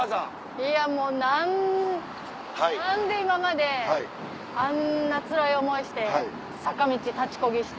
いやもうなん何で今まであんなつらい思いして坂道立ちこぎして。